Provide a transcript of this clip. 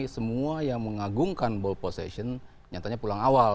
semua yang mengagumkan ball position nyatanya pulang awal